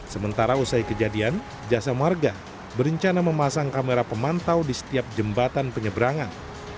sementara usai kejadian jasa marga berencana memasang kamera pemantau di setiap jembatan penyeberangan